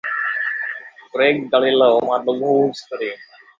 Projekt Galileo má dlouhou historii.